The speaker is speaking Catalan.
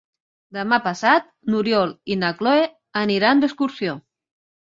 Demà passat n'Oriol i na Cloè aniran d'excursió.